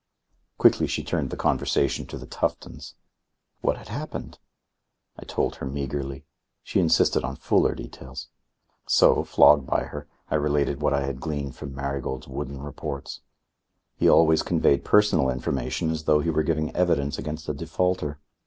Quickly she turned the conversation to the Tuftons. What had happened? I told her meagrely. She insisted on fuller details. So, flogged by her, I related what I had gleaned from Marigold's wooden reports. He always conveyed personal information as though he were giving evidence against a defaulter.